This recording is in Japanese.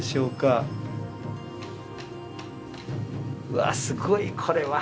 うわすごいこれは。